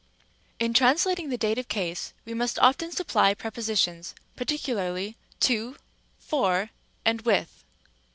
In translating the dative case, we must often supply preposi tions, particularly to, for, and with.